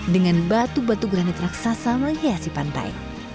dengan batu batu granit raksasa menghiasi pantai